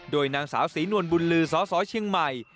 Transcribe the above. โดยนางสาวศรีนวลบุญลือสสเชียงใหม่